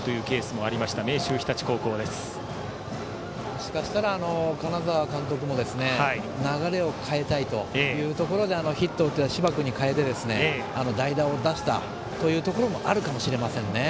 もしかしたら金沢監督も流れを変えたいというところでヒットを打った柴君に代えて代打を出したところもあるかもしれません。